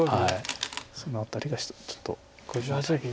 その辺りが一つちょっと。